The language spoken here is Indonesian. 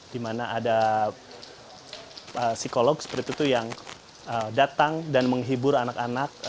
di mana ada psikolog seperti itu yang datang dan menghibur anak anak